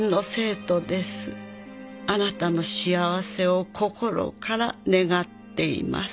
「あなたの幸せを心から願っています」